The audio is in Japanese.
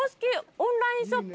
オンラインショップ